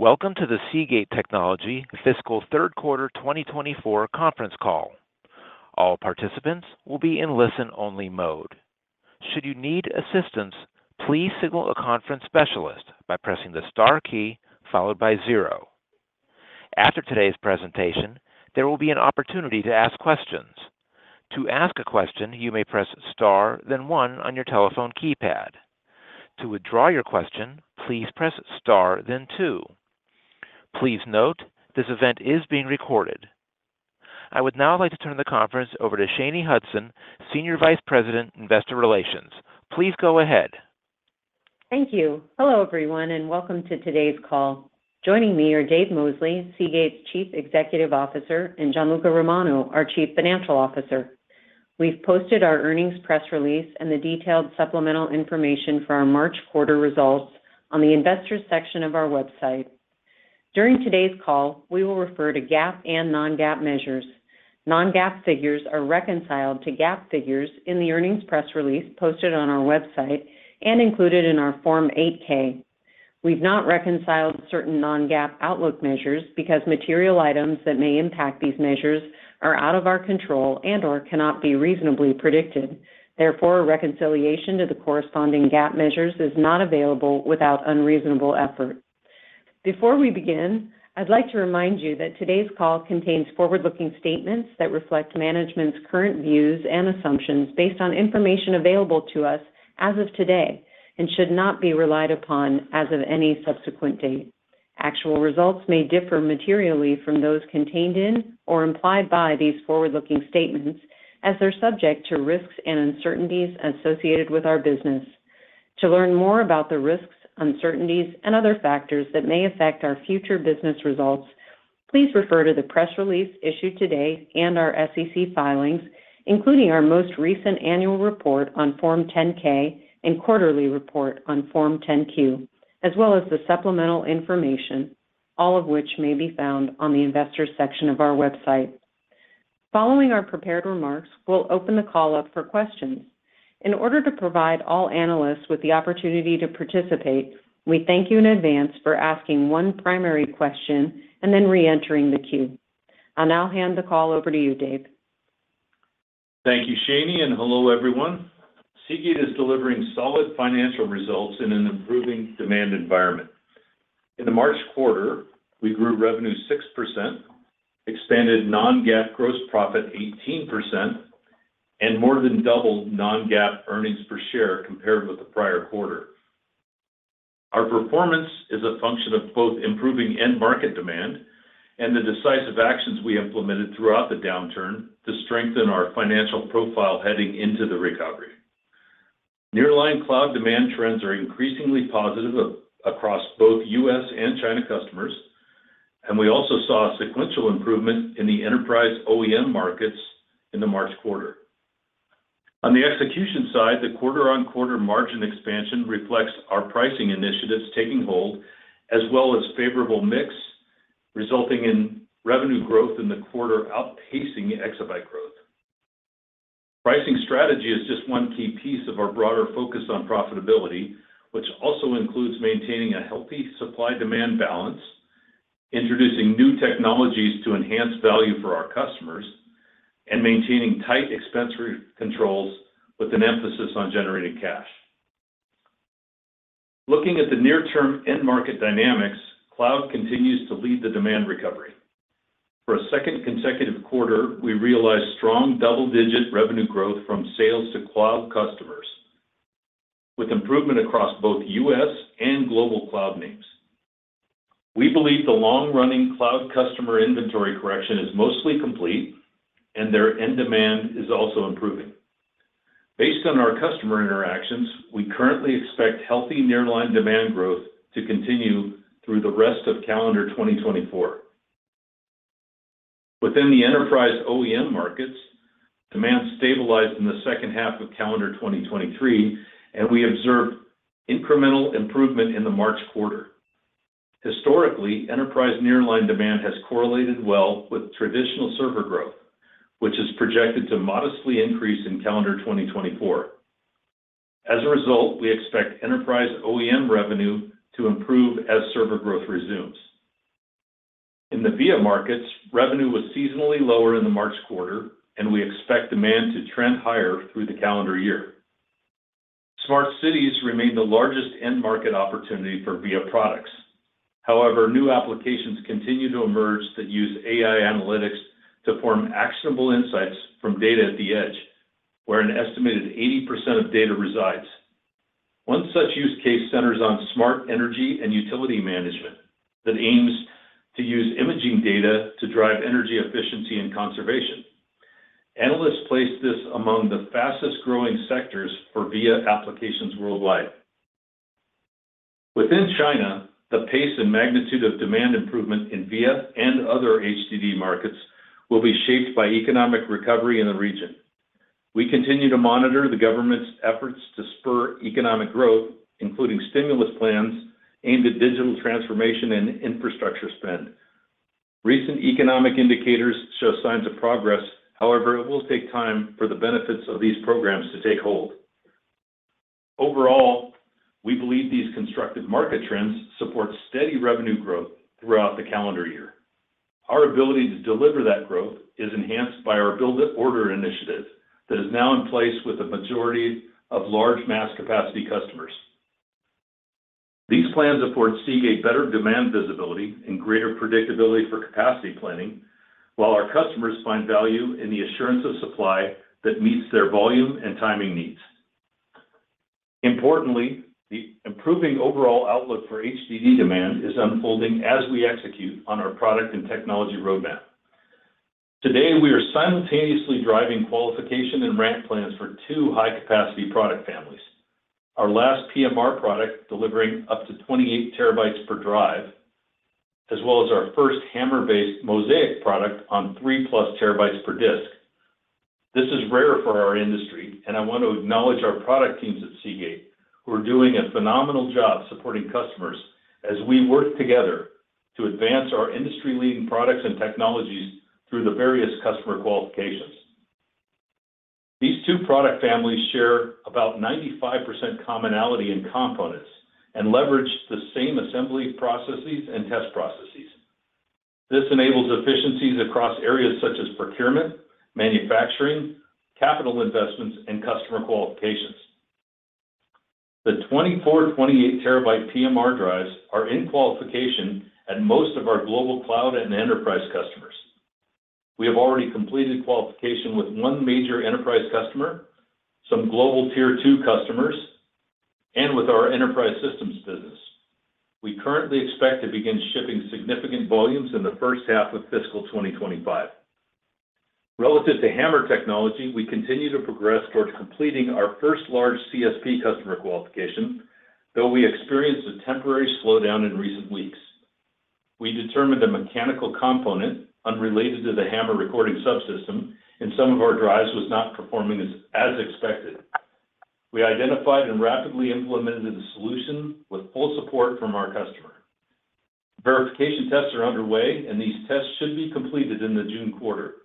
Welcome to the Seagate Technology Fiscal Third Quarter 2024 Conference Call. All participants will be in listen-only mode. Should you need assistance, please signal a conference specialist by pressing the star key followed by zero. After today's presentation, there will be an opportunity to ask questions. To ask a question, you may press star then one on your telephone keypad. To withdraw your question, please press star then two. Please note, this event is being recorded. I would now like to turn the conference over to Shanye Hudson, Senior Vice President Investor Relations. Please go ahead. Thank you. Hello, everyone, and welcome to today's call. Joining me are Dave Mosley, Seagate's Chief Executive Officer, and Gianluca Romano, our Chief Financial Officer. We've posted our earnings press release and the detailed supplemental information for our March quarter results on the investors section of our website. During today's call, we will refer to GAAP and non-GAAP measures. Non-GAAP figures are reconciled to GAAP figures in the earnings press release posted on our website and included in our Form 8-K. We've not reconciled certain non-GAAP outlook measures because material items that may impact these measures are out of our control and/or cannot be reasonably predicted. Therefore, reconciliation to the corresponding GAAP measures is not available without unreasonable effort. Before we begin, I'd like to remind you that today's call contains forward-looking statements that reflect management's current views and assumptions based on information available to us as of today and should not be relied upon as of any subsequent date. Actual results may differ materially from those contained in or implied by these forward-looking statements as they're subject to risks and uncertainties associated with our business. To learn more about the risks, uncertainties, and other factors that may affect our future business results, please refer to the press release issued today and our SEC filings, including our most recent annual report on Form 10-K and quarterly report on Form 10-Q, as well as the supplemental information, all of which may be found on the investors section of our website. Following our prepared remarks, we'll open the call up for questions. In order to provide all analysts with the opportunity to participate, we thank you in advance for asking one primary question and then reentering the queue. I'll now hand the call over to you, Dave. Thank you, Shanye, and hello, everyone. Seagate is delivering solid financial results in an improving demand environment. In the March quarter, we grew revenue 6%, expanded non-GAAP gross profit 18%, and more than doubled non-GAAP earnings per share compared with the prior quarter. Our performance is a function of both improving end-market demand and the decisive actions we implemented throughout the downturn to strengthen our financial profile heading into the recovery. Nearline cloud demand trends are increasingly positive across both U.S. and China customers, and we also saw sequential improvement in the enterprise OEM markets in the March quarter. On the execution side, the quarter-on-quarter margin expansion reflects our pricing initiatives taking hold as well as favorable mix resulting in revenue growth in the quarter outpacing exabyte growth. Pricing strategy is just one key piece of our broader focus on profitability, which also includes maintaining a healthy supply-demand balance, introducing new technologies to enhance value for our customers, and maintaining tight expense controls with an emphasis on generating cash. Looking at the near-term end-market dynamics, cloud continues to lead the demand recovery. For a second consecutive quarter, we realized strong double-digit revenue growth from sales to cloud customers with improvement across both U.S. and global cloud names. We believe the long-running cloud customer inventory correction is mostly complete, and their end demand is also improving. Based on our customer interactions, we currently expect healthy nearline demand growth to continue through the rest of calendar 2024. Within the enterprise OEM markets, demand stabilized in the second half of calendar 2023, and we observed incremental improvement in the March quarter. Historically, enterprise nearline demand has correlated well with traditional server growth, which is projected to modestly increase in calendar 2024. As a result, we expect enterprise OEM revenue to improve as server growth resumes. In the VIA markets, revenue was seasonally lower in the March quarter, and we expect demand to trend higher through the calendar year. Smart cities remain the largest end-market opportunity for VIA products. However, new applications continue to emerge that use AI analytics to form actionable insights from data at the edge, where an estimated 80% of data resides. One such use case centers on smart energy and utility management that aims to use imaging data to drive energy efficiency and conservation. Analysts place this among the fastest-growing sectors for VIA applications worldwide. Within China, the pace and magnitude of demand improvement in VIA and other HDD markets will be shaped by economic recovery in the region. We continue to monitor the government's efforts to spur economic growth, including stimulus plans aimed at digital transformation and infrastructure spend. Recent economic indicators show signs of progress. However, it will take time for the benefits of these programs to take hold. Overall, we believe these constructive market trends support steady revenue growth throughout the calendar year. Our ability to deliver that growth is enhanced by our build-to-order initiative that is now in place with a majority of large mass capacity customers. These plans afford Seagate better demand visibility and greater predictability for capacity planning, while our customers find value in the assurance of supply that meets their volume and timing needs. Importantly, the improving overall outlook for HDD demand is unfolding as we execute on our product and technology roadmap. Today, we are simultaneously driving qualification and ramp plans for two high-capacity product families: our last PMR product delivering up to 28 TB per drive, as well as our first HAMR-based Mozaic product on 3+ TB per disk. This is rare for our industry, and I want to acknowledge our product teams at Seagate who are doing a phenomenal job supporting customers as we work together to advance our industry-leading products and technologies through the various customer qualifications. These two product families share about 95% commonality in components and leverage the same assembly processes and test processes. This enables efficiencies across areas such as procurement, manufacturing, capital investments, and customer qualifications. The 24 TB-28 TB PMR drives are in qualification at most of our global cloud and enterprise customers. We have already completed qualification with one major enterprise customer, some global tier-two customers, and with our enterprise systems business. We currently expect to begin shipping significant volumes in the first half of fiscal 2025. Relative to HAMR technology, we continue to progress towards completing our first large CSP customer qualification, though we experienced a temporary slowdown in recent weeks. We determined a mechanical component unrelated to the HAMR recording subsystem in some of our drives was not performing as expected. We identified and rapidly implemented a solution with full support from our customer. Verification tests are underway, and these tests should be completed in the June quarter.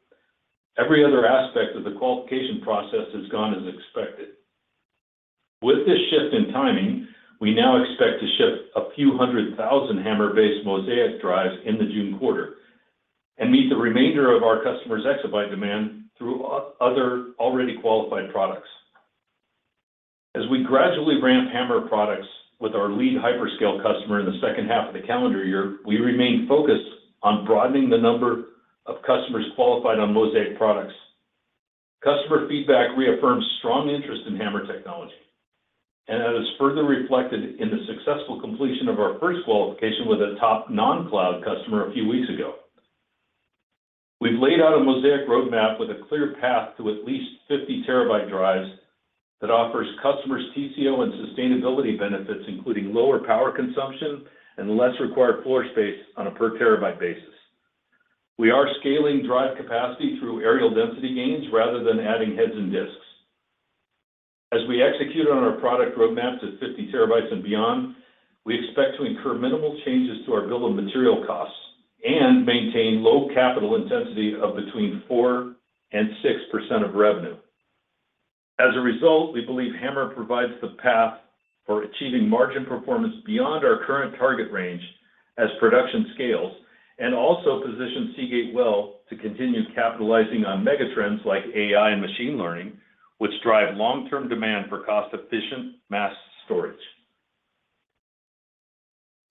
Every other aspect of the qualification process has gone as expected. With this shift in timing, we now expect to ship a few hundred thousand HAMR-based Mozaic drives in the June quarter and meet the remainder of our customers' exabyte demand through other already qualified products. As we gradually ramp HAMR products with our lead hyperscale customer in the second half of the calendar year, we remain focused on broadening the number of customers qualified on Mozaic products. Customer feedback reaffirms strong interest in HAMR technology, and that is further reflected in the successful completion of our first qualification with a top non-cloud customer a few weeks ago. We've laid out a Mozaic roadmap with a clear path to at least 50 TB drives that offers customers TCO and sustainability benefits, including lower power consumption and less required floor space on a per terabyte basis. We are scaling drive capacity through areal density gains rather than adding heads and disks. As we execute on our product roadmap to 50 TB and beyond, we expect to incur minimal changes to our bill of material costs and maintain low capital intensity of between 4%-6% of revenue. As a result, we believe HAMR provides the path for achieving margin performance beyond our current target range as production scales and also positions Seagate well to continue capitalizing on megatrends like AI and machine learning, which drive long-term demand for cost-efficient mass storage.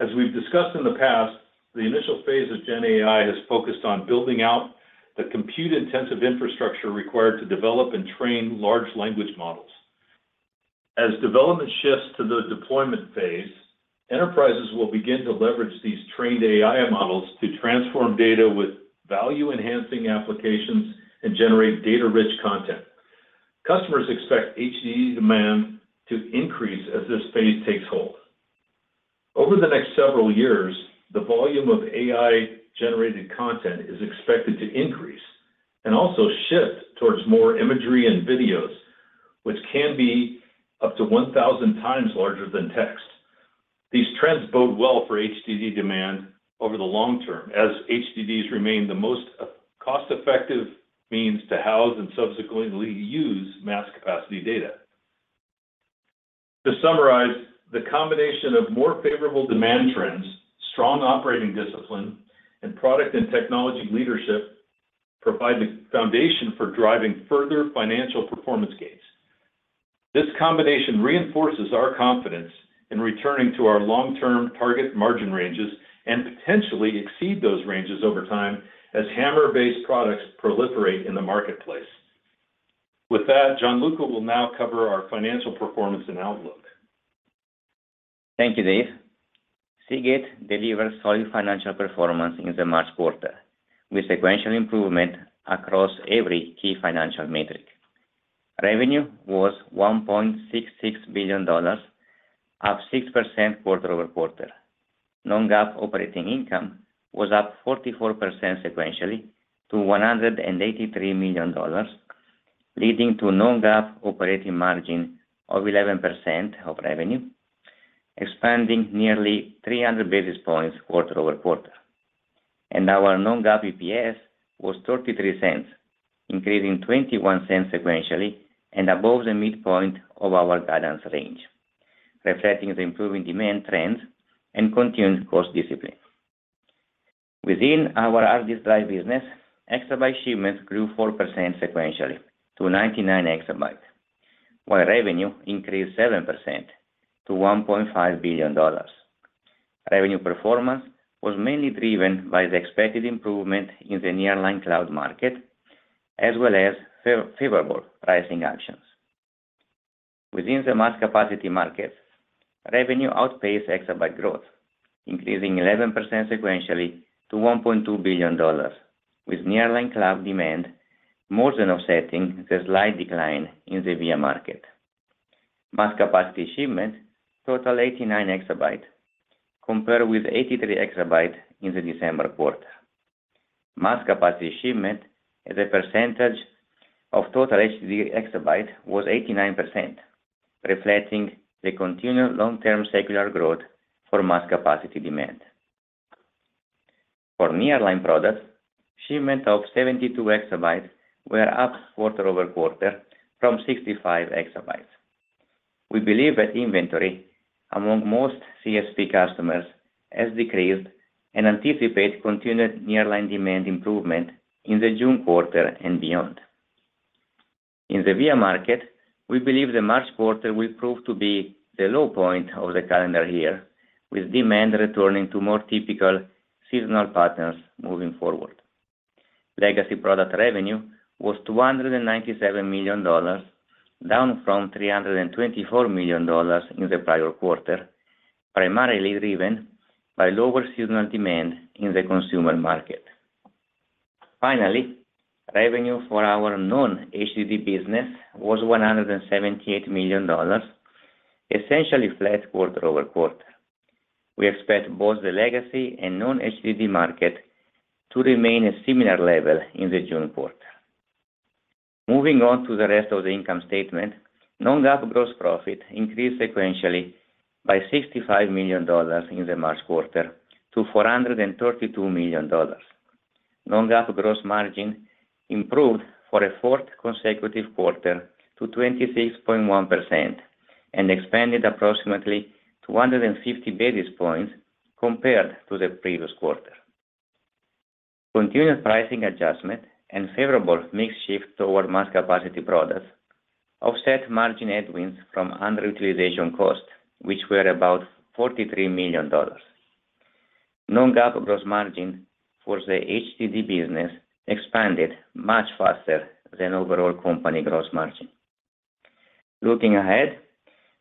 As we've discussed in the past, the initial phase of Gen AI has focused on building out the compute-intensive infrastructure required to develop and train large language models. As development shifts to the deployment phase, enterprises will begin to leverage these trained AI models to transform data with value-enhancing applications and generate data-rich content. Customers expect HDD demand to increase as this phase takes hold. Over the next several years, the volume of AI-generated content is expected to increase and also shift towards more imagery and videos, which can be up to 1,000x larger than text. These trends bode well for HDD demand over the long term as HDDs remain the most cost-effective means to house and subsequently use mass capacity data. To summarize, the combination of more favorable demand trends, strong operating discipline, and product and technology leadership provide the foundation for driving further financial performance gains. This combination reinforces our confidence in returning to our long-term target margin ranges and potentially exceed those ranges over time as HAMR-based products proliferate in the marketplace. With that, Gianluca will now cover our financial performance and outlook. Thank you, Dave. Seagate delivers solid financial performance in the March quarter with sequential improvement across every key financial metric. Revenue was $1.66 billion, up 6% quarter-over-quarter. Non-GAAP operating income was up 44% sequentially to $183 million, leading to non-GAAP operating margin of 11% of revenue, expanding nearly 300 basis points quarter-over-quarter. Our non-GAAP EPS was $0.33, increasing $0.21 sequentially and above the midpoint of our guidance range, reflecting the improving demand trends and continued cost discipline. Within our hard disk drive business, exabyte shipments grew 4% sequentially to 99 EB, while revenue increased 7% to $1.5 billion. Revenue performance was mainly driven by the expected improvement in the nearline cloud market as well as favorable pricing actions. Within the mass capacity markets, revenue outpaced exabyte growth, increasing 11% sequentially to $1.2 billion, with nearline cloud demand more than offsetting the slight decline in the VIA market. Mass capacity shipment totaled 89 EB, compared with 83 EB in the December quarter. Mass capacity shipment as a percentage of total HDD exabytes was 89%, reflecting the continual long-term secular growth for mass capacity demand. For nearline products, shipment of 72 EB were up quarter-over-quarter from 65 EB. We believe that inventory among most CSP customers has decreased and anticipate continued nearline demand improvement in the June quarter and beyond. In the VIA market, we believe the March quarter will prove to be the low point of the calendar year, with demand returning to more typical seasonal patterns moving forward. Legacy product revenue was $297 million, down from $324 million in the prior quarter, primarily driven by lower seasonal demand in the consumer market. Finally, revenue for our non-HDD business was $178 million, essentially flat quarter over quarter. We expect both the legacy and non-HDD market to remain at similar levels in the June quarter. Moving on to the rest of the income statement, non-GAAP gross profit increased sequentially by $65 million in the March quarter to $432 million. Non-GAAP gross margin improved for a fourth consecutive quarter to 26.1% and expanded approximately 250 basis points compared to the previous quarter. Continued pricing adjustment and favorable mix shift toward mass capacity products offset margin headwinds from underutilization costs, which were about $43 million. Non-GAAP gross margin for the HDD business expanded much faster than overall company gross margin. Looking ahead,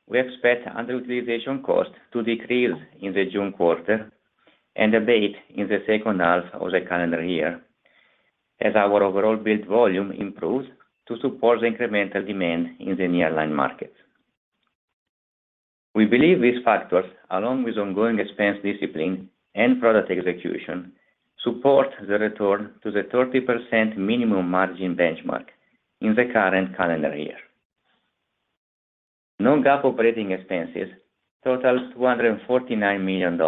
we expect underutilization costs to decrease in the June quarter and a bit in the second half of the calendar year as our overall build volume improves to support the incremental demand in the nearline markets. We believe these factors, along with ongoing expense discipline and product execution, support the return to the 30% minimum margin benchmark in the current calendar year. Non-GAAP operating expenses totaled $249 million,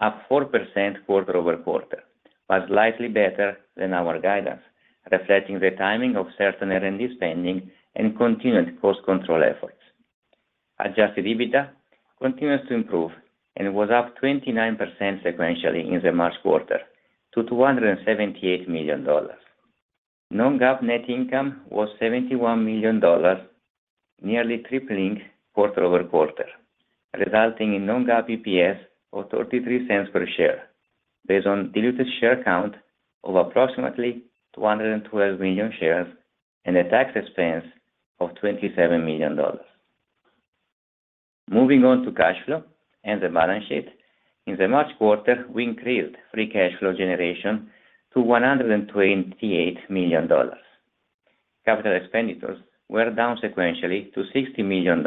up 4% quarter-over-quarter, but slightly better than our guidance, reflecting the timing of certain R&D spending and continued cost control efforts. Adjusted EBITDA continues to improve and was up 29% sequentially in the March quarter to $278 million. Non-GAAP net income was $71 million, nearly tripling quarter-over-quarter, resulting in non-GAAP EPS of $0.33 per share based on diluted share count of approximately 212 million shares and a tax expense of $27 million. Moving on to cash flow and the balance sheet, in the March quarter, we increased free cash flow generation to $128 million. Capital expenditures were down sequentially to $60 million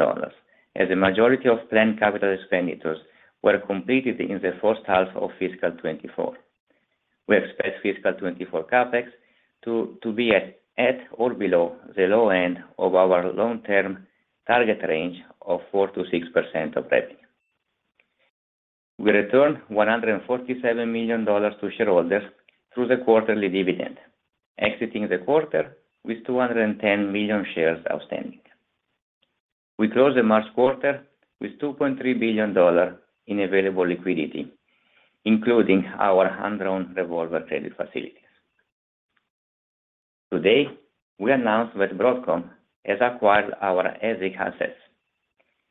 as the majority of planned capital expenditures were completed in the first half of fiscal 2024. We expect fiscal 2024 CapEx to be at or below the low end of our long-term target range of 4%-6% of revenue. We returned $147 million to shareholders through the quarterly dividend, exiting the quarter with 210 million shares outstanding. We closed the March quarter with $2.3 billion in available liquidity, including our undrawn revolver credit facilities. Today, we announced that Broadcom has acquired our ASIC assets,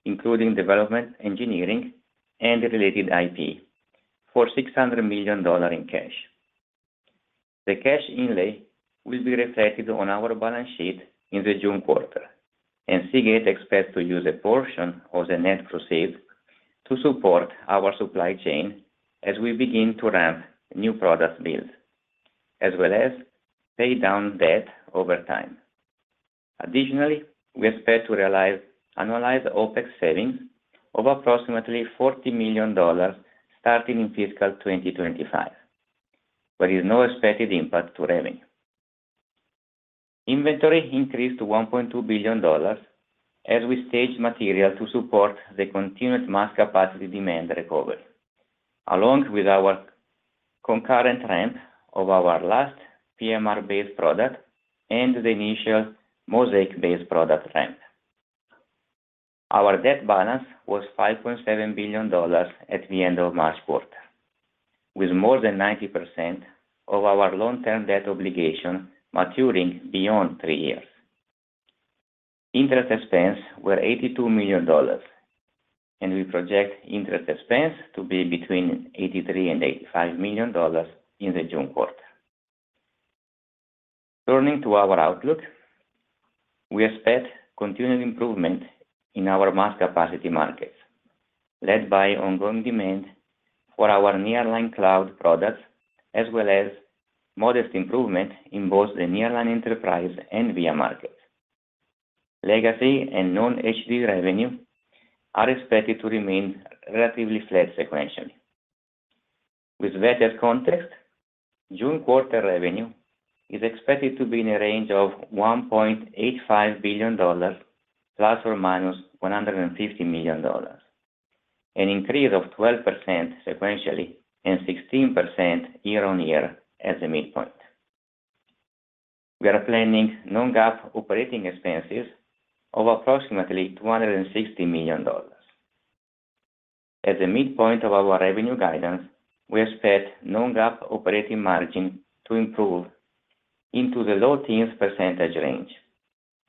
including development engineering and related IP, for $600 million in cash. The cash inlay will be reflected on our balance sheet in the June quarter, and Seagate expects to use a portion of the net proceeds to support our supply chain as we begin to ramp new product builds as well as pay down debt over time. Additionally, we expect to analyze the OpEx savings of approximately $40 million starting in fiscal 2025, where there is no expected impact to revenue. Inventory increased to $1.2 billion as we staged material to support the continued mass capacity demand recovery, along with our concurrent ramp of our last PMR-based product and the initial Mozaic-based product ramp. Our debt balance was $5.7 billion at the end of March quarter, with more than 90% of our long-term debt obligation maturing beyond three years. Interest expense were $82 million, and we project interest expense to be between $83-$85 million in the June quarter. Turning to our outlook, we expect continued improvement in our mass capacity markets, led by ongoing demand for our nearline cloud products as well as modest improvement in both the nearline enterprise and VIA markets. Legacy and non-HDD revenue are expected to remain relatively flat sequentially. With better context, June quarter revenue is expected to be in the range of $1.85 billion ± $150 million, an increase of 12% sequentially and 16% year-on-year at the midpoint. We are planning non-GAAP operating expenses of approximately $260 million. At the midpoint of our revenue guidance, we expect non-GAAP operating margin to improve into the low teens percentage range,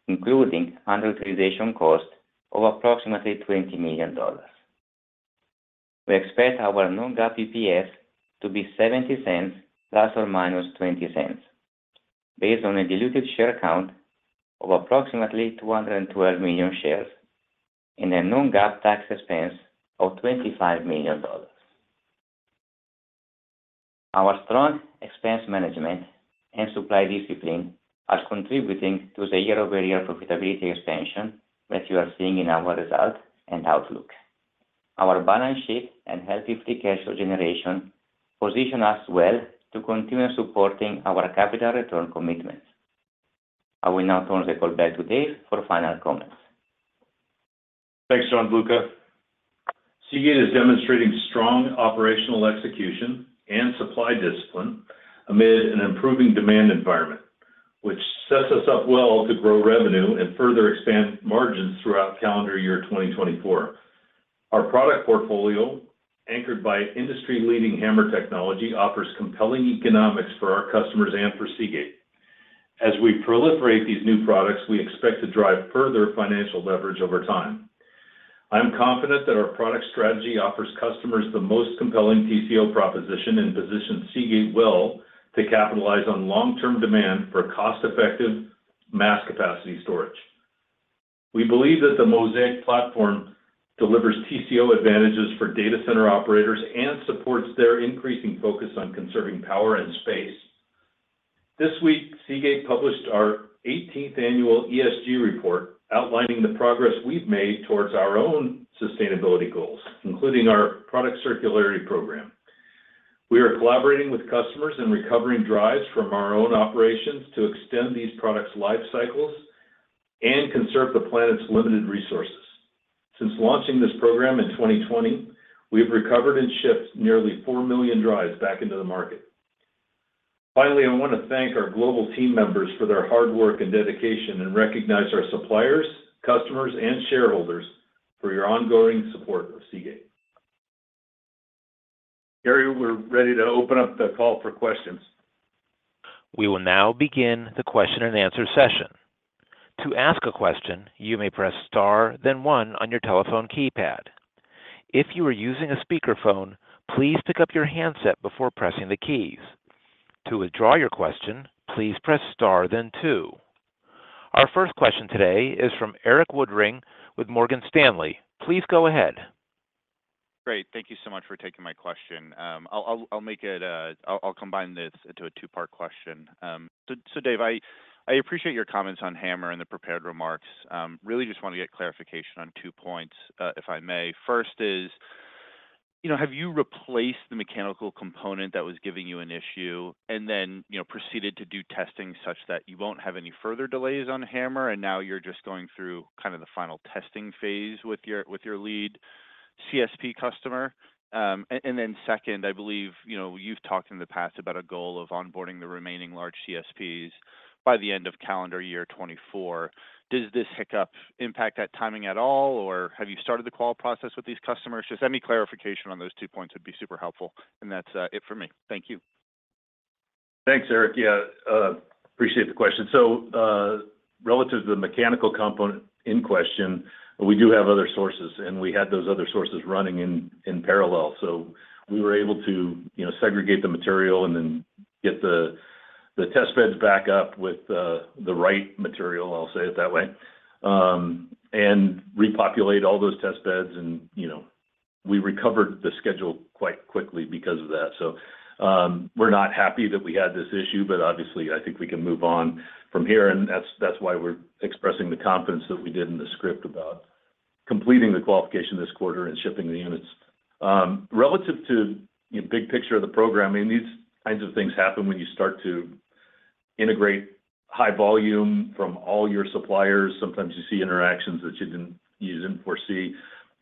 including underutilization costs of approximately $20 million. We expect our non-GAAP EPS to be $0.70 ± $0.20 based on a diluted share count of approximately 212 million shares and a non-GAAP tax expense of $25 million. Our strong expense management and supply discipline are contributing to the year-over-year profitability expansion that you are seeing in our result and outlook. Our balance sheet and healthy free cash flow generation position us well to continue supporting our capital return commitments. I will now turn the call back to Dave for final comments. Thanks, Gianluca. Seagate is demonstrating strong operational execution and supply discipline amid an improving demand environment, which sets us up well to grow revenue and further expand margins throughout calendar year 2024. Our product portfolio, anchored by industry-leading HAMR technology, offers compelling economics for our customers and for Seagate. As we proliferate these new products, we expect to drive further financial leverage over time. I'm confident that our product strategy offers customers the most compelling TCO proposition and positions Seagate well to capitalize on long-term demand for cost-effective mass capacity storage. We believe that the Mozaic platform delivers TCO advantages for data center operators and supports their increasing focus on conserving power and space. This week, Seagate published our 18th annual ESG report outlining the progress we've made towards our own sustainability goals, including our product circularity program. We are collaborating with customers and recovering drives from our own operations to extend these products' lifecycles and conserve the planet's limited resources. Since launching this program in 2020, we have recovered and shipped nearly 4 million drives back into the market. Finally, I want to thank our global team members for their hard work and dedication and recognize our suppliers, customers, and shareholders for your ongoing support of Seagate. Gary, we're ready to open up the call for questions. We will now begin the question-and-answer session. To ask a question, you may press star, then one on your telephone keypad. If you are using a speakerphone, please pick up your handset before pressing the keys. To withdraw your question, please press star, then two. Our first question today is from Erik Woodring with Morgan Stanley. Please go ahead. Great. Thank you so much for taking my question. I'll combine this into a two-part question. So, Dave, I appreciate your comments on HAMR and the prepared remarks. Really just want to get clarification on two points, if I may. First is, have you replaced the mechanical component that was giving you an issue and then proceeded to do testing such that you won't have any further delays on HAMR, and now you're just going through kind of the final testing phase with your lead CSP customer? And then second, I believe you've talked in the past about a goal of onboarding the remaining large CSPs by the end of calendar year 2024. Does this hiccup impact that timing at all, or have you started the qual process with these customers? Just any clarification on those two points would be super helpful, and that's it for me. Thank you. Thanks, Eric. Yeah, appreciate the question. So relative to the mechanical component in question, we do have other sources, and we had those other sources running in parallel. So we were able to segregate the material and then get the test beds back up with the right material, I'll say it that way, and repopulate all those test beds. We recovered the schedule quite quickly because of that. So we're not happy that we had this issue, but obviously, I think we can move on from here. That's why we're expressing the confidence that we did in the script about completing the qualification this quarter and shipping the units. Relative to big picture of the program, I mean, these kinds of things happen when you start to integrate high volume from all your suppliers. Sometimes you see interactions that you didn't use and foresee.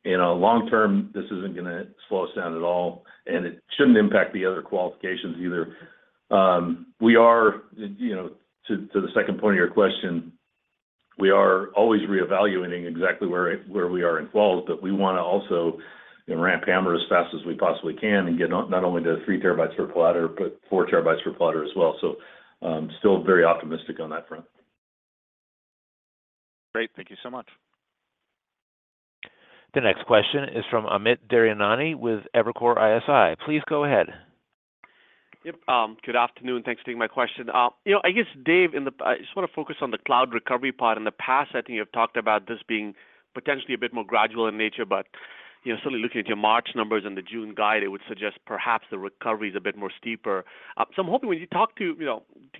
In a long term, this isn't going to slow us down at all, and it shouldn't impact the other qualifications either. To the second point of your question, we are always reevaluating exactly where we are in falls, but we want to also ramp HAMR as fast as we possibly can and get not only to 3 TB per platter but 4 TB per platter as well. So still very optimistic on that front. Great. Thank you so much. The next question is from Amit Daryanani with Evercore ISI. Please go ahead. Yep. Good afternoon. Thanks for taking my question. I guess, Dave, I just want to focus on the cloud recovery part. In the past, I think you've talked about this being potentially a bit more gradual in nature, but certainly looking at your March numbers and the June guide, it would suggest perhaps the recovery is a bit more steeper. So I'm hoping when you talk to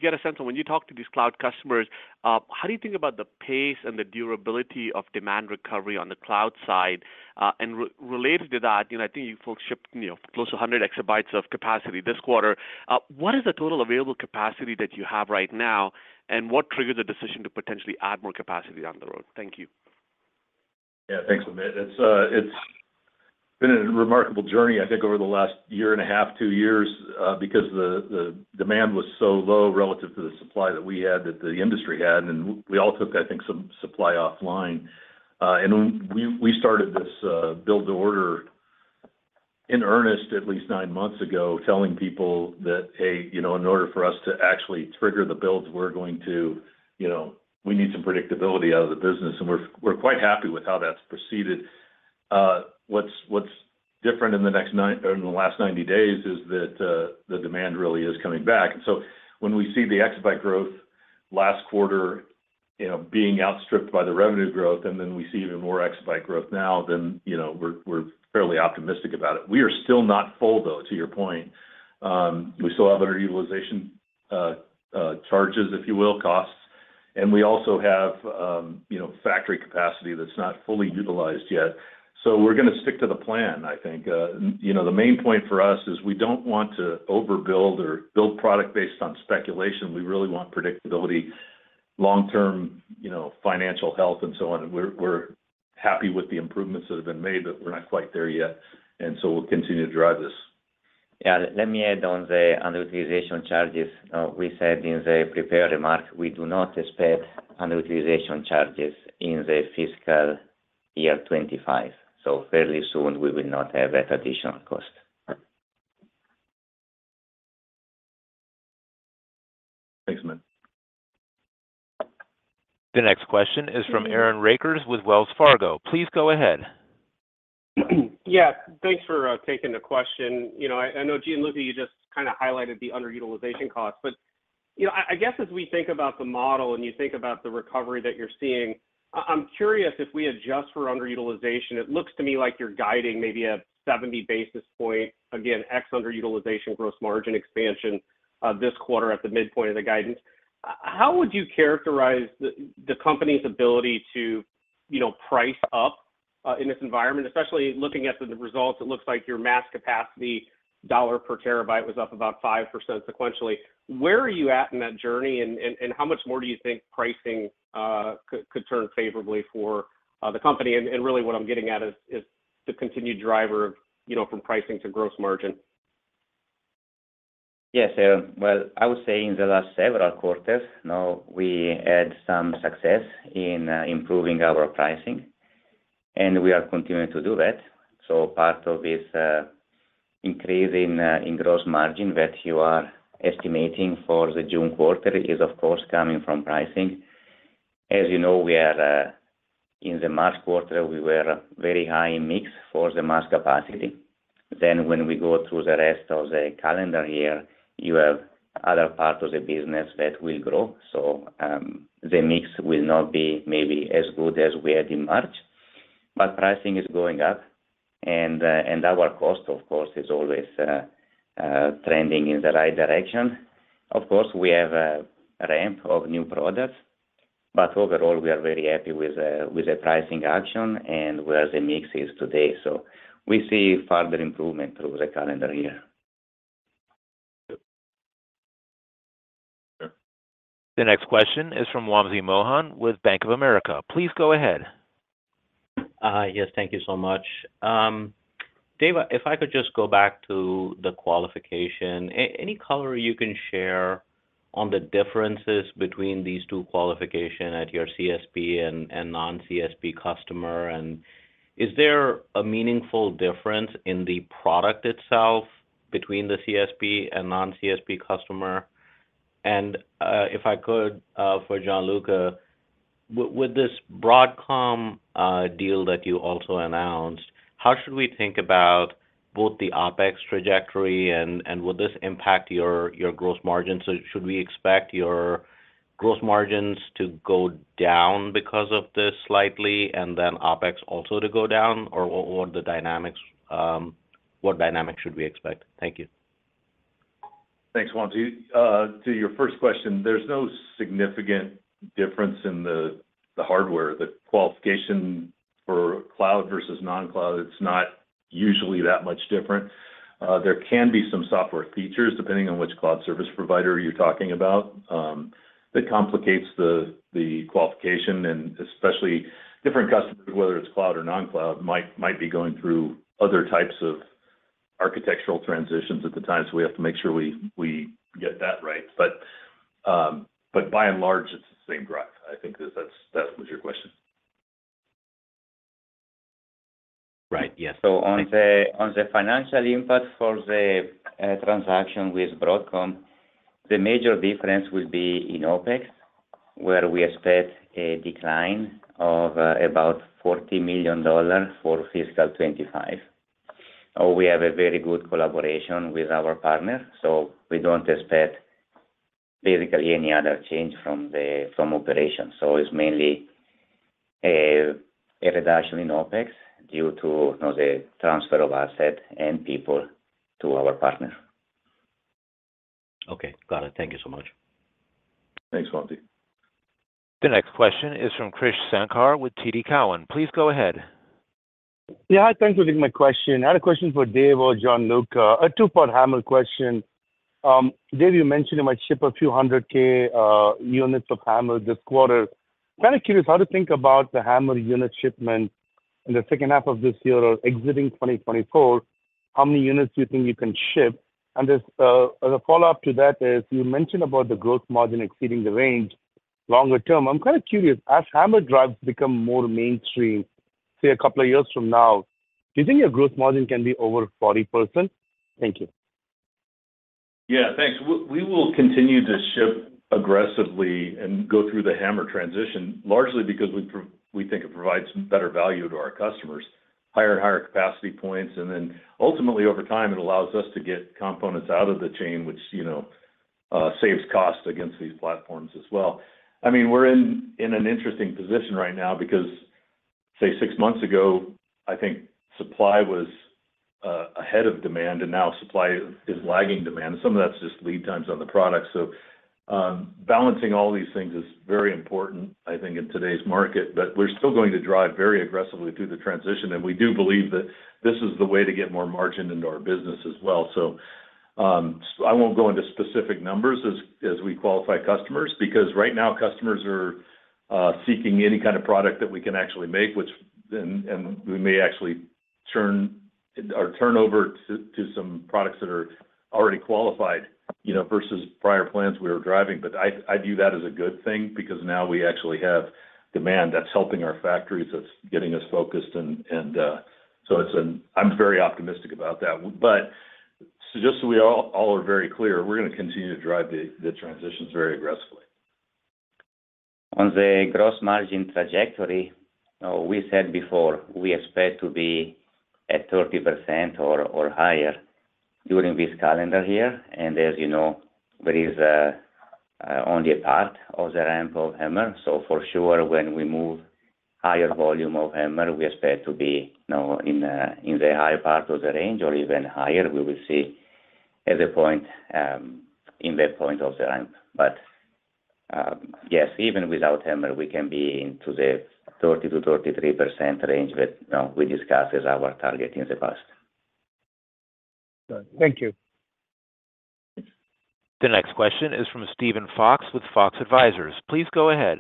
get a sense of when you talk to these cloud customers, how do you think about the pace and the durability of demand recovery on the cloud side? And related to that, I think you folks shipped close to 100 EB of capacity this quarter. What is the total available capacity that you have right now, and what triggered the decision to potentially add more capacity down the road? Thank you. Yeah. Thanks, Amit. It's been a remarkable journey, I think, over the last year and a half, two years because the demand was so low relative to the supply that we had, that the industry had, and we all took, I think, some supply offline. And we started this build-to-order in earnest at least nine months ago, telling people that, "Hey, in order for us to actually trigger the builds, we're going to need some predictability out of the business." And we're quite happy with how that's proceeded. What's different in the next or in the last 90 days is that the demand really is coming back. And so when we see the exabyte growth last quarter being outstripped by the revenue growth, and then we see even more exabyte growth now, then we're fairly optimistic about it. We are still not full, though, to your point. We still have underutilization charges, if you will, costs. We also have factory capacity that's not fully utilized yet. We're going to stick to the plan, I think. The main point for us is we don't want to overbuild or build product based on speculation. We really want predictability, long-term financial health, and so on. We're happy with the improvements that have been made, but we're not quite there yet. We'll continue to drive this. Yeah. Let me add on the underutilization charges. We said in the prepared remark, we do not expect underutilization charges in the fiscal year 2025. So fairly soon, we will not have that additional cost. Thanks, Amit. The next question is from Aaron Rakers with Wells Fargo. Please go ahead. Yeah. Thanks for taking the question. I know, Gian, you just kind of highlighted the underutilization costs. But I guess as we think about the model and you think about the recovery that you're seeing, I'm curious if we adjust for underutilization. It looks to me like you're guiding maybe a 70 basis point, again, X underutilization gross margin expansion this quarter at the midpoint of the guidance. How would you characterize the company's ability to price up in this environment? Especially looking at the results, it looks like your mass capacity dollar per terabyte was up about 5% sequentially. Where are you at in that journey, and how much more do you think pricing could turn favorably for the company? And really, what I'm getting at is the continued driver from pricing to gross margin. Yes, Aaron. Well, I would say in the last several quarters, we had some success in improving our pricing, and we are continuing to do that. So part of this increase in gross margin that you are estimating for the June quarter is, of course, coming from pricing. As you know, in the March quarter, we were very high in mix for the mass capacity. Then when we go through the rest of the calendar year, you have other parts of the business that will grow. So the mix will not be maybe as good as we had in March. But pricing is going up, and our cost, of course, is always trending in the right direction. Of course, we have a ramp of new products, but overall, we are very happy with the pricing action and where the mix is today. We see further improvement through the calendar year. The next question is from Wamsi Mohan with Bank of America. Please go ahead. Yes. Thank you so much. Dave, if I could just go back to the qualification, any color you can share on the differences between these two qualifications at your CSP and non-CSP customer? And is there a meaningful difference in the product itself between the CSP and non-CSP customer? And if I could, for Gianluca, with this Broadcom deal that you also announced, how should we think about both the OpEx trajectory, and would this impact your gross margins? So should we expect your gross margins to go down because of this slightly, and then OpEx also to go down? Or what dynamics should we expect? Thank you. Thanks, Wamsi. To your first question, there's no significant difference in the hardware. The qualification for cloud versus non-cloud, it's not usually that much different. There can be some software features, depending on which cloud service provider you're talking about, that complicates the qualification. And especially different customers, whether it's cloud or non-cloud, might be going through other types of architectural transitions at the time. So we have to make sure we get that right. But by and large, it's the same drive. I think that was your question. Right. Yes. So on the financial impact for the transaction with Broadcom, the major difference will be in OpEx, where we expect a decline of about $40 million for fiscal 2025. We have a very good collaboration with our partner, so we don't expect basically any other change from operations. So it's mainly a reduction in OpEx due to the transfer of asset and people to our partner. Okay. Got it. Thank you so much. Thanks, Wamsi. The next question is from Krish Sankar with TD Cowen. Please go ahead. Yeah. Hi. Thanks for taking my question. I had a question for Dave or Gianluca, a two-part HAMR question. Dave, you mentioned you might ship a few hundred K units of HAMR this quarter. Kind of curious how to think about the HAMR unit shipment in the second half of this year or exiting 2024. How many units do you think you can ship? And the follow-up to that is you mentioned about the gross margin exceeding the range longer term. I'm kind of curious, as HAMR drives become more mainstream, say, a couple of years from now, do you think your gross margin can be over 40%? Thank you. Yeah. Thanks. We will continue to ship aggressively and go through the HAMR transition, largely because we think it provides better value to our customers, higher and higher capacity points. And then ultimately, over time, it allows us to get components out of the chain, which saves cost against these platforms as well. I mean, we're in an interesting position right now because, say, six months ago, I think supply was ahead of demand, and now supply is lagging demand. Some of that's just lead times on the products. So balancing all these things is very important, I think, in today's market. But we're still going to drive very aggressively through the transition, and we do believe that this is the way to get more margin into our business as well. So I won't go into specific numbers as we qualify customers because right now, customers are seeking any kind of product that we can actually make, and we may actually turn our turnover to some products that are already qualified versus prior plans we were driving. But I view that as a good thing because now we actually have demand that's helping our factories. That's getting us focused. And so I'm very optimistic about that. But just so we all are very clear, we're going to continue to drive the transitions very aggressively. On the gross margin trajectory, we said before we expect to be at 30% or higher during this calendar year. As you know, there is only a part of the ramp of HAMR. For sure, when we move higher volume of HAMR, we expect to be in the higher part of the range or even higher. We will see at the point in that point of the ramp. Yes, even without HAMR, we can be into the 30%-33% range that we discussed as our target in the past. Good. Thank you. The next question is from Stephen Fox with Fox Advisors. Please go ahead.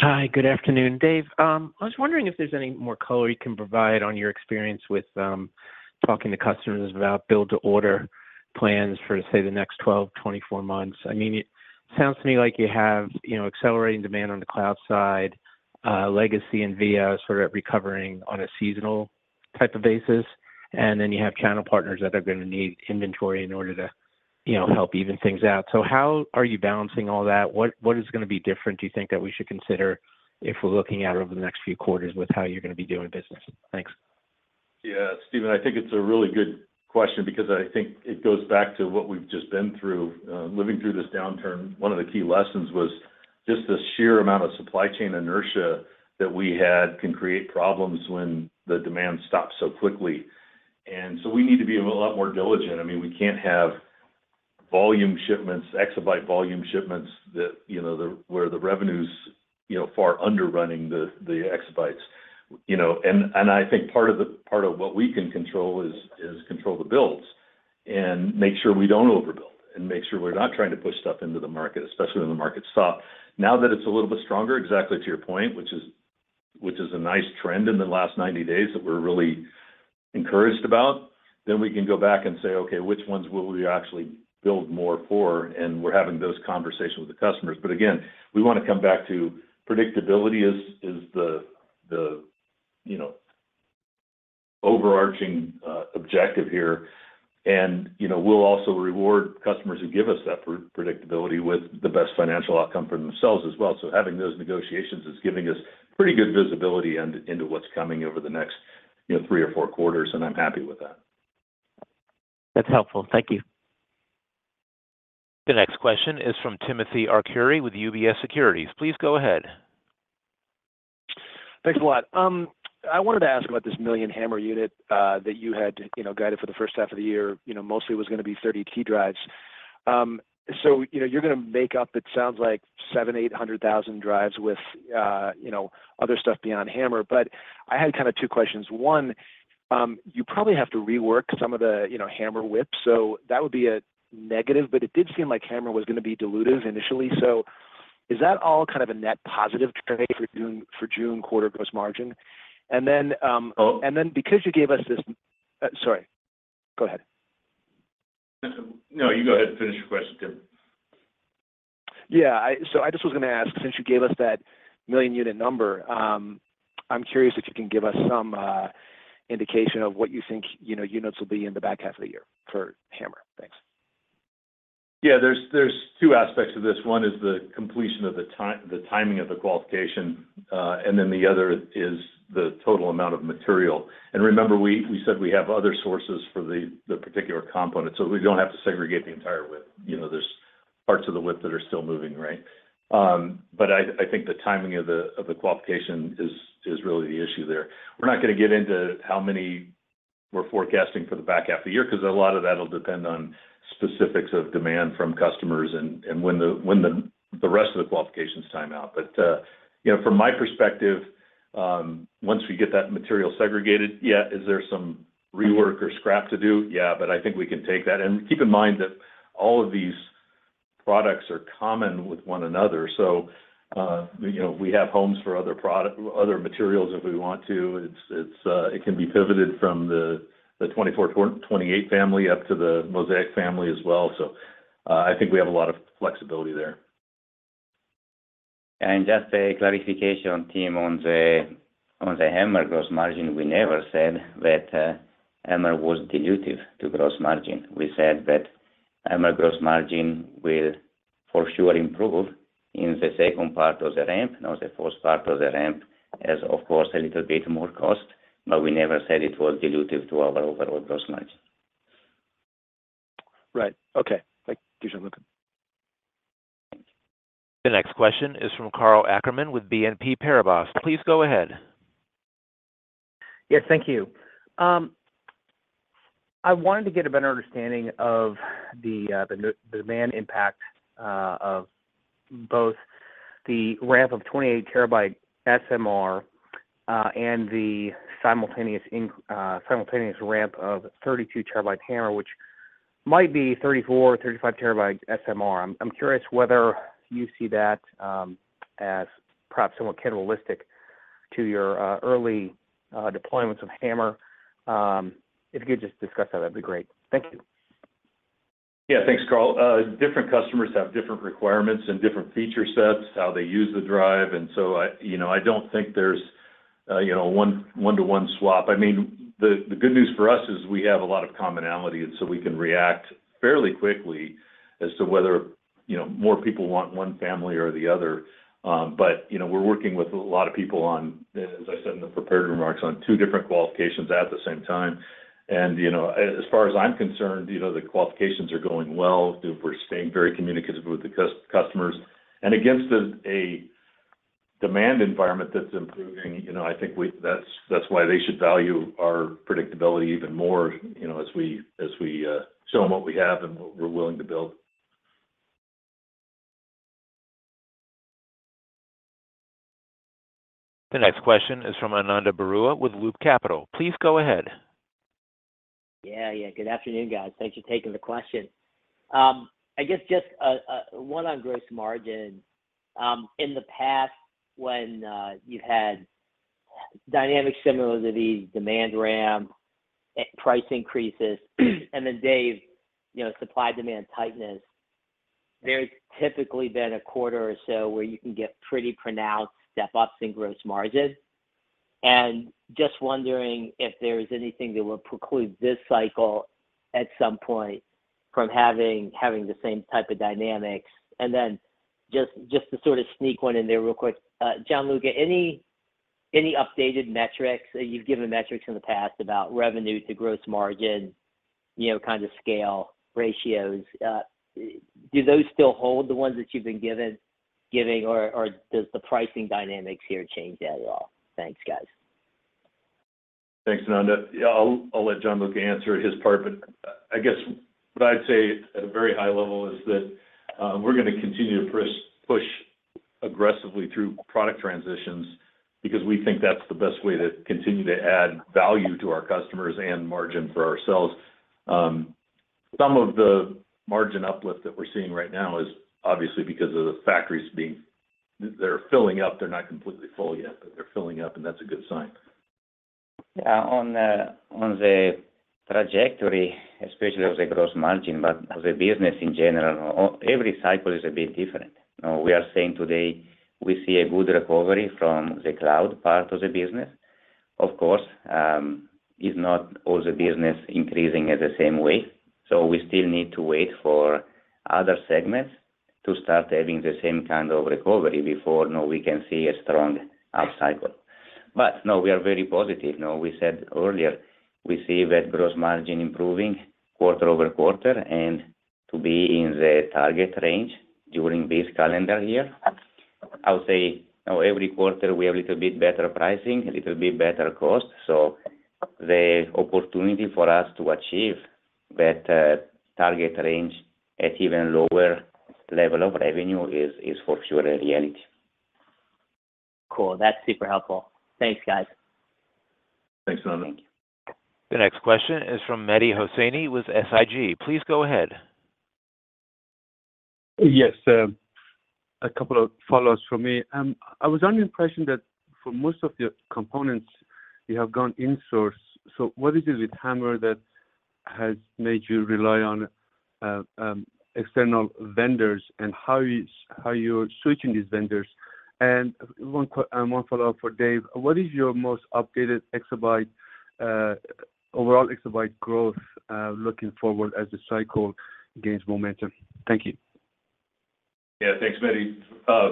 Hi. Good afternoon, Dave. I was wondering if there's any more color you can provide on your experience with talking to customers about build-to-order plans for, say, the next 12, 24 months. I mean, it sounds to me like you have accelerating demand on the cloud side, legacy NVIDIA sort of recovering on a seasonal type of basis, and then you have channel partners that are going to need inventory in order to help even things out. So how are you balancing all that? What is going to be different, do you think, that we should consider if we're looking out over the next few quarters with how you're going to be doing business? Thanks. Yeah. Stephen, I think it's a really good question because I think it goes back to what we've just been through. Living through this downturn, one of the key lessons was just the sheer amount of supply chain inertia that we had can create problems when the demand stops so quickly. And so we need to be a lot more diligent. I mean, we can't have exabyte volume shipments where the revenue's far underrunning the exabytes. And I think part of what we can control is control the builds and make sure we don't overbuild and make sure we're not trying to push stuff into the market, especially when the market's soft. Now that it's a little bit stronger, exactly to your point, which is a nice trend in the last 90 days that we're really encouraged about, then we can go back and say, "Okay, which ones will we actually build more for?" And we're having those conversations with the customers. But again, we want to come back to predictability as the overarching objective here. And we'll also reward customers who give us that predictability with the best financial outcome for themselves as well. So having those negotiations is giving us pretty good visibility into what's coming over the next three or four quarters, and I'm happy with that. That's helpful. Thank you. The next question is from Timothy Arcuri with UBS Securities. Please go ahead. Thanks a lot. I wanted to ask about this 1 million HAMR units that you had guided for the first half of the year. Mostly, it was going to be 30 TB drives. So you're going to make up, it sounds like, 700-800 thousand drives with other stuff beyond HAMR. But I had kind of two questions. One, you probably have to rework some of the HAMR WIP. So that would be a negative, but it did seem like HAMR was going to be dilutive initially. So is that all kind of a net positive trade for June quarter gross margin? And then because you gave us this, sorry. Go ahead. No, you go ahead and finish your question, Tim. Yeah. So I just was going to ask, since you gave us that million unit number, I'm curious if you can give us some indication of what you think units will be in the back half of the year for HAMR. Thanks. Yeah. There are two aspects to this. One is the completion of the timing of the qualification, and then the other is the total amount of material. And remember, we said we have other sources for the particular component, so we don't have to segregate the entire WIP. There are parts of the WIP that are still moving, right? But I think the timing of the qualification is really the issue there. We're not going to get into how many we're forecasting for the back half of the year because a lot of that will depend on specifics of demand from customers and when the rest of the qualifications time out. But from my perspective, once we get that material segregated, yeah, is there some rework or scrap to do? Yeah. But I think we can take that. And keep in mind that all of these products are common with one another. So we have homes for other materials if we want to. It can be pivoted from the 24 TB 28 TB family up to the Mozaic family as well. So I think we have a lot of flexibility there. Just a clarification, Tim, on the HAMR gross margin, we never said that HAMR was dilutive to gross margin. We said that HAMR gross margin will for sure improve in the second part of the ramp. Now, the first part of the ramp has, of course, a little bit more cost, but we never said it was dilutive to our overall gross margin. Right. Okay. Thank you, Gianluca. Thank you. The next question is from Karl Ackerman with BNP Paribas. Please go ahead. Yes. Thank you. I wanted to get a better understanding of the demand impact of both the ramp of 28 TB SMR and the simultaneous ramp of 32 TB HAMR, which might be 34 TB, 35 TB SMR. I'm curious whether you see that as perhaps somewhat kind of realistic to your early deployments of HAMR. If you could just discuss that, that'd be great. Thank you. Yeah. Thanks, Karl. Different customers have different requirements and different feature sets, how they use the drive. And so I don't think there's a one-to-one swap. I mean, the good news for us is we have a lot of commonality, and so we can react fairly quickly as to whether more people want one family or the other. But we're working with a lot of people on, as I said in the prepared remarks, on two different qualifications at the same time. And as far as I'm concerned, the qualifications are going well. We're staying very communicative with the customers. And against a demand environment that's improving, I think that's why they should value our predictability even more as we show them what we have and what we're willing to build. The next question is from Ananda Barua with Loop Capital. Please go ahead. Yeah. Yeah. Good afternoon, guys. Thanks for taking the question. I guess just one on gross margin. In the past, when you've had dynamic similarities, demand ramp, price increases, and then, Dave, supply-demand tightness, there's typically been a quarter or so where you can get pretty pronounced step-ups in gross margin. And just wondering if there's anything that will preclude this cycle at some point from having the same type of dynamics. And then just to sort of sneak one in there real quick, Gianluca, any updated metrics? You've given metrics in the past about revenue to gross margin kind of scale ratios. Do those still hold the ones that you've been giving, or does the pricing dynamics here change that at all? Thanks, guys. Thanks, Ananda. I'll let Gianluca answer his part. But I guess what I'd say at a very high level is that we're going to continue to push aggressively through product transitions because we think that's the best way to continue to add value to our customers and margin for ourselves. Some of the margin uplift that we're seeing right now is obviously because of the factories being, they're filling up. They're not completely full yet, but they're filling up, and that's a good sign. Yeah. On the trajectory, especially on the gross margin, but on the business in general, every cycle is a bit different. Now, we are saying today we see a good recovery from the cloud part of the business. Of course, it's not all the business increasing in the same way. So we still need to wait for other segments to start having the same kind of recovery before we can see a strong upcycle. But no, we are very positive. Now, we said earlier we see that gross margin improving quarter-over-quarter and to be in the target range during this calendar year. I would say every quarter, we have a little bit better pricing, a little bit better cost. So the opportunity for us to achieve that target range at even lower level of revenue is for sure a reality. Cool. That's super helpful. Thanks, guys. Thanks, Ananda. Thank you. The next question is from Mehdi Hosseini with SIG. Please go ahead. Yes. A couple of follow-ups from me. I was under the impression that for most of the components, you have gone in-source. So what is it with HAMR that has made you rely on external vendors and how you're switching these vendors? And one follow-up for Dave. What is your most updated overall exabyte growth looking forward as the cycle gains momentum? Thank you. Yeah. Thanks, Mehdi.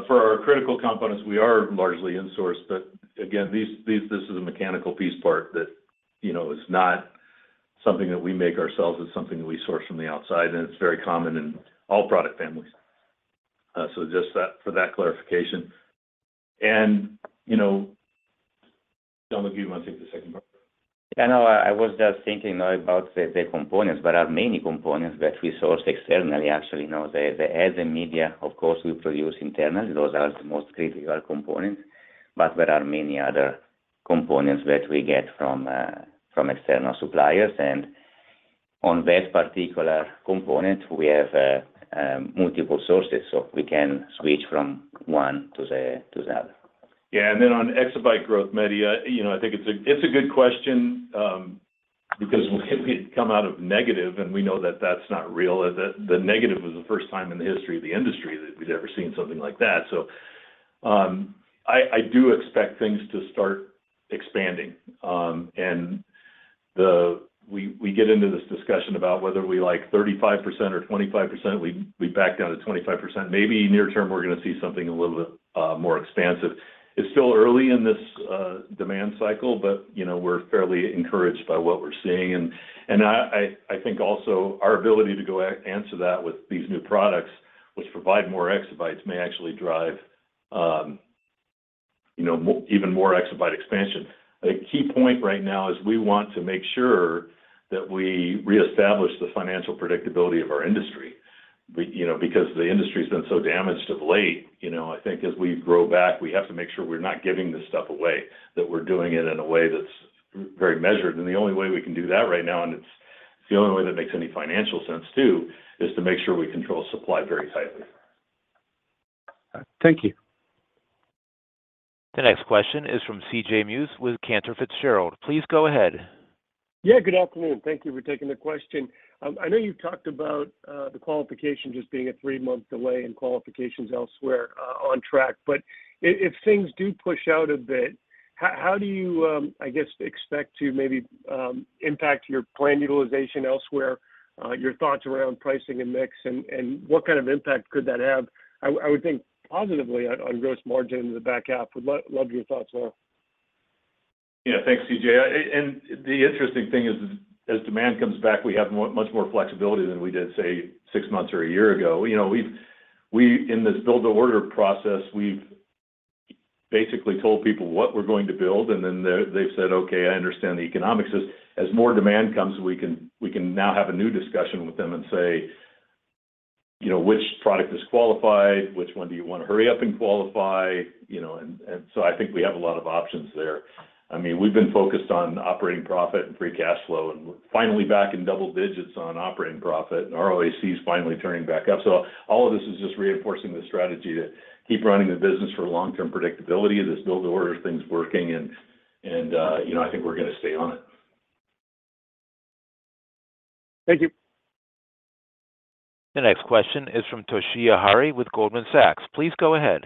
For our critical components, we are largely in-source. But again, this is a mechanical piece part that is not something that we make ourselves. It's something that we source from the outside, and it's very common in all product families. So just for that clarification. And Gianluca, you want to take the second part? Yeah. No, I was just thinking about the components. There are many components that we source externally, actually. The ads and media, of course, we produce internally. Those are the most critical components. But there are many other components that we get from external suppliers. And on that particular component, we have multiple sources, so we can switch from one to the other. Yeah. And then on exabyte growth, Mehdi, I think it's a good question because we had come out of negative, and we know that that's not real. The negative was the first time in the history of the industry that we'd ever seen something like that. So I do expect things to start expanding. And we get into this discussion about whether we like 35% or 25%. We back down to 25%. Maybe near term, we're going to see something a little bit more expansive. It's still early in this demand cycle, but we're fairly encouraged by what we're seeing. And I think also our ability to go answer that with these new products, which provide more exabytes, may actually drive even more exabyte expansion. A key point right now is we want to make sure that we reestablish the financial predictability of our industry because the industry has been so damaged of late. I think as we grow back, we have to make sure we're not giving this stuff away, that we're doing it in a way that's very measured. And the only way we can do that right now, and it's the only way that makes any financial sense too, is to make sure we control supply very tightly. Thank you. The next question is from C.J. Muse with Cantor Fitzgerald. Please go ahead. Yeah. Good afternoon. Thank you for taking the question. I know you've talked about the qualification just being a three-month delay and qualifications elsewhere on track. But if things do push out a bit, how do you, I guess, expect to maybe impact your plan utilization elsewhere, your thoughts around pricing and mix, and what kind of impact could that have? I would think positively on gross margin in the back half. Would love your thoughts, Mark. Yeah. Thanks, CJ. And the interesting thing is, as demand comes back, we have much more flexibility than we did, say, six months or a year ago. In this build-to-order process, we've basically told people what we're going to build, and then they've said, "Okay. I understand the economics." As more demand comes, we can now have a new discussion with them and say which product is qualified, which one do you want to hurry up and qualify. And so I think we have a lot of options there. I mean, we've been focused on operating profit and free cash flow, and finally back in double digits on operating profit. ROIC is finally turning back up. So all of this is just reinforcing the strategy to keep running the business for long-term predictability, this build-to-order thing's working, and I think we're going to stay on it. Thank you. The next question is from Toshiya Hari with Goldman Sachs. Please go ahead.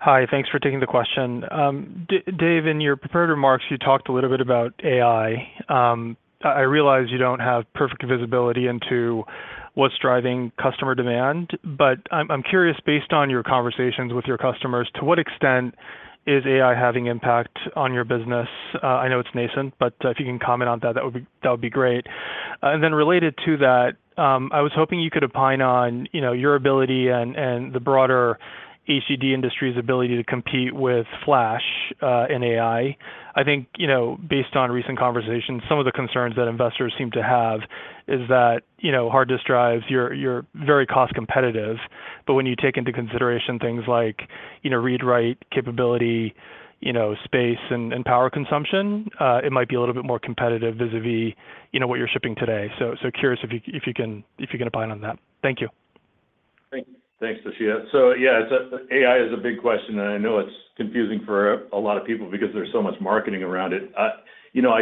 Hi. Thanks for taking the question. Dave, in your prepared remarks, you talked a little bit about AI. I realize you don't have perfect visibility into what's driving customer demand, but I'm curious, based on your conversations with your customers, to what extent is AI having impact on your business? I know it's nascent, but if you can comment on that, that would be great. And then related to that, I was hoping you could opine on your ability and the broader HDD industry's ability to compete with flash in AI. I think, based on recent conversations, some of the concerns that investors seem to have is that hard disk drives, you're very cost-competitive. But when you take into consideration things like read-write capability, space, and power consumption, it might be a little bit more competitive vis-à-vis what you're shipping today. So curious if you can opine on that? Thank you. Thanks, Toshiya. So yeah, AI is a big question, and I know it's confusing for a lot of people because there's so much marketing around it. I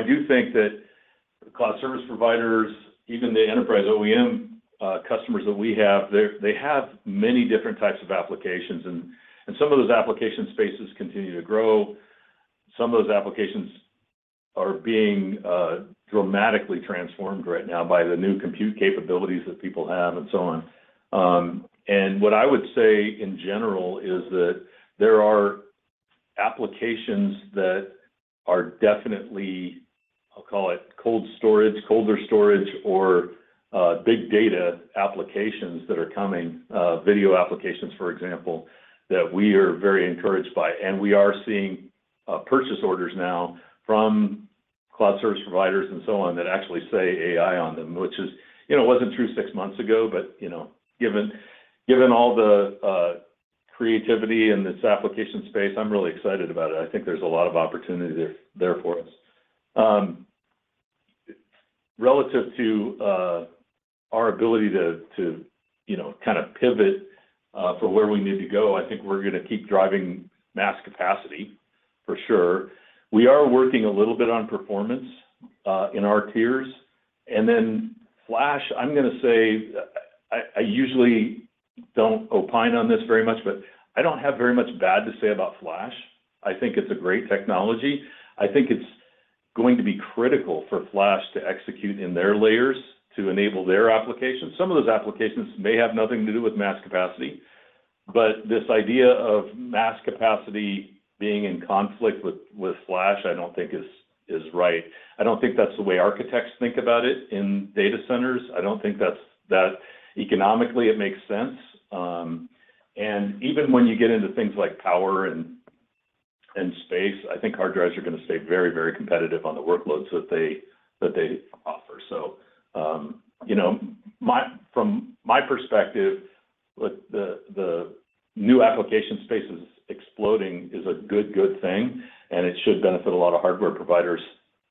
do think that cloud service providers, even the enterprise OEM customers that we have, they have many different types of applications. And some of those application spaces continue to grow. Some of those applications are being dramatically transformed right now by the new compute capabilities that people have and so on. And what I would say in general is that there are applications that are definitely, I'll call it cold storage, colder storage, or big data applications that are coming, video applications, for example, that we are very encouraged by. And we are seeing purchase orders now from cloud service providers and so on that actually say AI on them, which wasn't true six months ago. But given all the creativity in this application space, I'm really excited about it. I think there's a lot of opportunity there for us. Relative to our ability to kind of pivot for where we need to go, I think we're going to keep driving mass capacity, for sure. We are working a little bit on performance in our tiers. And then flash, I'm going to say I usually don't opine on this very much, but I don't have very much bad to say about flash. I think it's a great technology. I think it's going to be critical for flash to execute in their layers to enable their applications. Some of those applications may have nothing to do with mass capacity, but this idea of mass capacity being in conflict with flash, I don't think is right. I don't think that's the way architects think about it in data centers. I don't think that economically, it makes sense. Even when you get into things like power and space, I think hard drives are going to stay very, very competitive on the workloads that they offer. From my perspective, the new application space is exploding is a good, good thing, and it should benefit a lot of hardware providers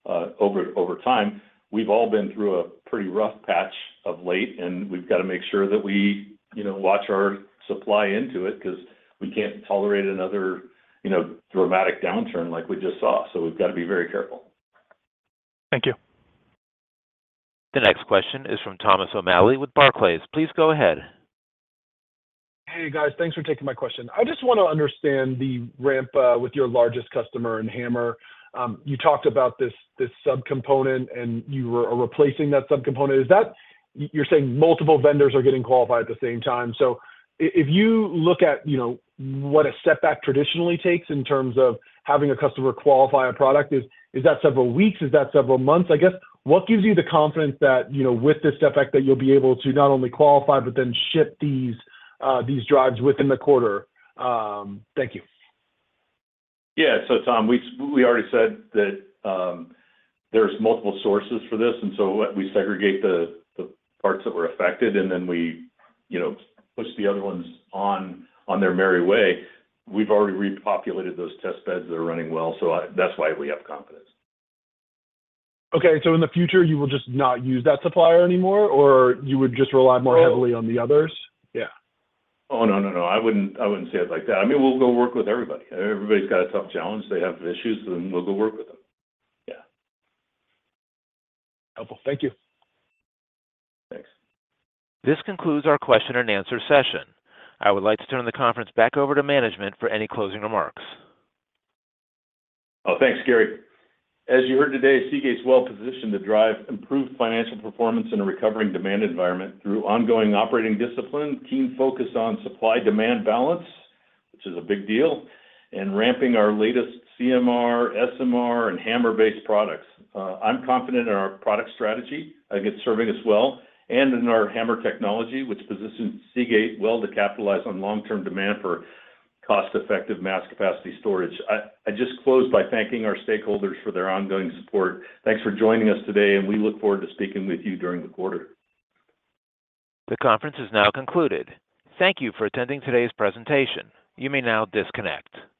over time. We've all been through a pretty rough patch of late, and we've got to make sure that we watch our supply into it because we can't tolerate another dramatic downturn like we just saw. We've got to be very careful. Thank you. The next question is from Thomas O'Malley with Barclays. Please go ahead. Hey, guys. Thanks for taking my question. I just want to understand the ramp with your largest customer in HAMR. You talked about this subcomponent, and you are replacing that subcomponent. You're saying multiple vendors are getting qualified at the same time. So if you look at what a stepback traditionally takes in terms of having a customer qualify a product, is that several weeks? Is that several months? I guess what gives you the confidence that with this stepback, that you'll be able to not only qualify but then ship these drives within the quarter? Thank you. Yeah. So Tom, we already said that there's multiple sources for this. And so we segregate the parts that were affected, and then we push the other ones on their merry way. We've already repopulated those test beds that are running well. So that's why we have confidence. Okay. So in the future, you will just not use that supplier anymore, or you would just rely more heavily on the others? Oh, no. Yeah. Oh, no, no, no. I wouldn't say it like that. I mean, we'll go work with everybody. Everybody's got a tough challenge. They have issues, and we'll go work with them. Yeah. Helpful. Thank you. Thanks. This concludes our question-and-answer session. I would like to turn the conference back over to management for any closing remarks. Oh, thanks, Gary. As you heard today, Seagate's well-positioned to drive improved financial performance in a recovering demand environment through ongoing operating discipline, keen focus on supply-demand balance, which is a big deal, and ramping our latest CMR, SMR, and HAMR-based products. I'm confident in our product strategy. I think it's serving us well and in our HAMR technology, which positions Seagate well to capitalize on long-term demand for cost-effective mass capacity storage. I just close by thanking our stakeholders for their ongoing support. Thanks for joining us today, and we look forward to speaking with you during the quarter. The conference is now concluded. Thank you for attending today's presentation. You may now disconnect.